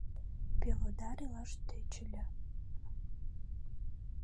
Пелодар илаш тӧчыльӧ.